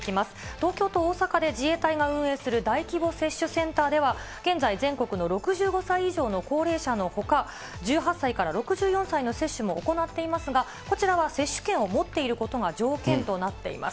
東京と大阪で自衛隊が運営する大規模接種センターでは現在、全国の６５歳以上の高齢者のほか、１８歳から６４歳の接種も行っていますが、こちらは接種券を持っていることが条件となっています。